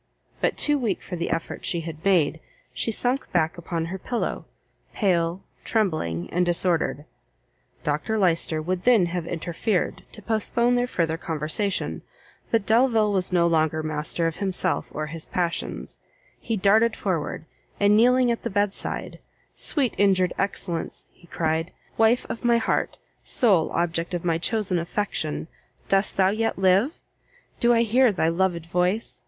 but too weak for the effort she had made, she sunk back upon her pillow, pale, trembling, and disordered. Dr Lyster would then have interfered to postpone their further conversation; but Delvile was no longer master of himself or his passions: he darted forward, and kneeling at the bed side, "Sweet injured excellence!" he cried, "wife of my heart! sole object of my chosen affection! dost thou yet live? do I hear thy loved voice?